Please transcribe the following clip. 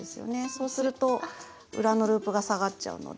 そうすると裏のループが下がっちゃうので。